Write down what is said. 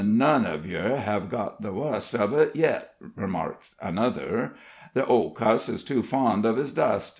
"N none uv yer hev got to the wust uv it yit," remarked another. "The old cuss is too fond uv his dust.